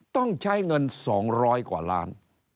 ต้องใช้เงิน๒๐๐กว่าล้าน